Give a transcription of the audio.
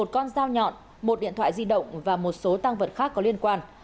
một con dao nhọn một điện thoại di động và một số tăng vật khác có liên quan